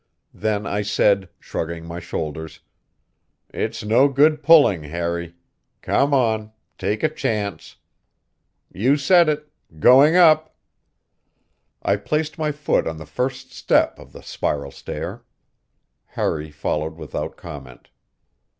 Then I said, shrugging my shoulders: "It's no good pulling, Harry. Come on; take a chance. You said it going up!" I placed my foot on the first step of the spiral stair. Harry followed without comment.